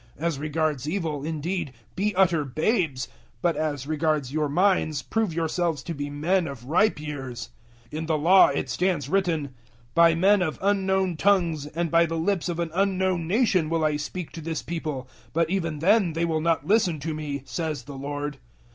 As regards evil, indeed, be utter babes, but as regards your minds prove yourselves to be men of ripe years. 014:021 In the Law it stands written, "`By men of unknown tongues and by the lips of an unknown nation will I speak to this People, but even then they will not listen to Me', says the Lord."